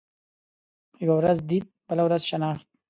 يوه ورځ ديد ، بله ورځ شناخت.